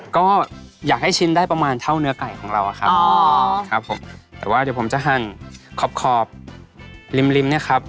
ก็อยากให้ชิ้นได้ประมาณเท่าเนื้อไก่ของเราอะครับครับผมแต่ว่าเดี๋ยวผมจะหั่นขอบริมริมเนี่ยครับ